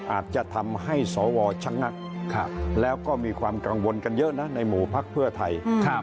อาจจะทำให้สวชะงักแล้วก็มีความกังวลกันเยอะนะในหมู่พักเพื่อไทย